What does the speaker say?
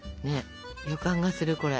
予感がするこれ。